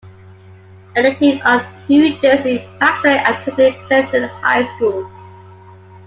A native of New Jersey, Maxwell attended Clifton High School.